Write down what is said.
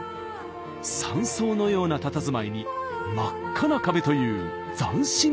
山荘のようなたたずまいに真っ赤な壁という斬新なデザイン。